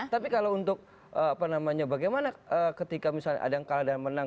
tapi kalau untuk apa namanya bagaimana ketika misalnya ada yang kalah dan menang